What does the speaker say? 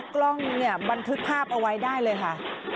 กล้องเนี่ยบันทึกภาพเอาไว้ได้เลยค่ะ